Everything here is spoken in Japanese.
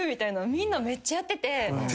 みんなめっちゃやってて。